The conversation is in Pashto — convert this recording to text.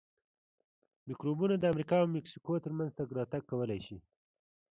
میکروبونه د امریکا او مکسیکو ترمنځ تګ راتګ کولای شي.